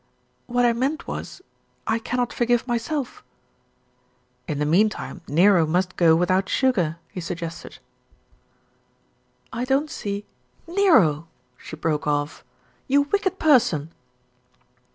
"What I meant was, I cannot forgive myself." "In the meantime Nero must go without sugar," he suggested. 346 THE RETURN OF ALFRED "I don't see Nerol" she broke off. "You wicked person."